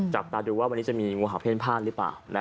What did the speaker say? จับตาดูว่าวันนี้จะมีงูเห่าเพ่นผ้านหรือเปล่า